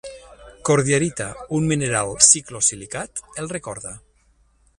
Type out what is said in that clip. Cordierita, un mineral ciclosilicat, el recorda.